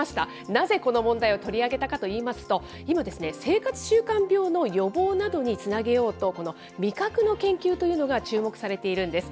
なぜこの問題を取り上げたかといいますと、今、生活習慣病の予防などにつなげようと、この味覚の研究というのが注目されているんです。